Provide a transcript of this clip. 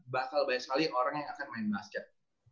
bakal banyak sekali orang yang akan main basket